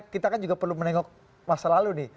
kita kan juga perlu menengok masa lalu nih